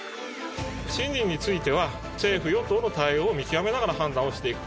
不信任については、政府・与党の対応を見極めながら判断をしていく。